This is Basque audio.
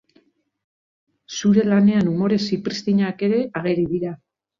Zure lanean umore zipriztinak ere ageri dira.